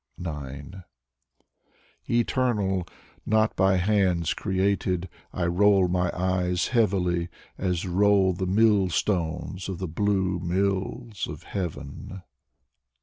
9 Eternal, Not by hands created, I roll my eyes heavily As roll the mill stones Of the blue Mills Of heaven.